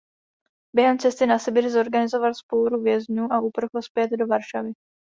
Během cesty na Sibiř zorganizoval vzpouru vězňů a uprchl zpět do Varšavy.